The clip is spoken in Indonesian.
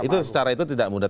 itu secara itu tidak mudah